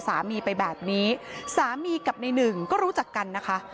สามีไปแบบนี้สามีกับในหนึ่งก็รู้จักกันนะคะ